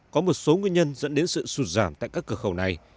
có một số nguyên nhân dẫn đến sự sụt giảm tại các cửa khẩu này